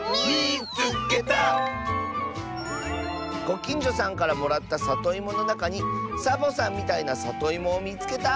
「ごきんじょさんからもらったさといものなかにサボさんみたいなさといもをみつけた！」。